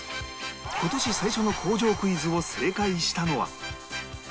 今年最初の「工場クイズ」を正解したのは